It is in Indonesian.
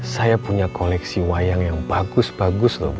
saya punya koleksi wayang yang bagus bagus loh